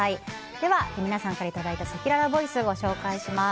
では皆さんからいただいたせきららボイスご紹介します。